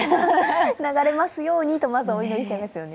流れますようにとまずお祈りしちゃいますよね。